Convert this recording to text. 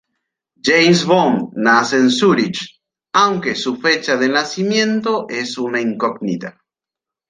James Bond nace en Zúrich, aunque su fecha de nacimiento es una incógnita.